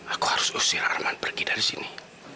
aku harus usir arman pergi dari sini